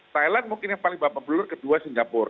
thailand mungkin yang paling bapak belur kedua singapura